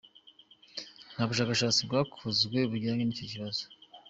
Nta bushakashatsi bwakozwe bujyanye n’icyo kibazo.